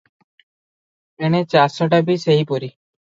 ଏଣେ ଚାଷଟା ବି ସେହିପରି ।